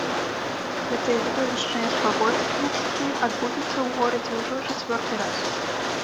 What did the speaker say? Гэтыя відовішчныя спаборніцтвы адбудуцца ў горадзе ўжо чацвёрты раз.